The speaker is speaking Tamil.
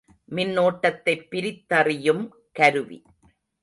மின்னோட்டத்தைப் பிரித்தறியும் கருவி.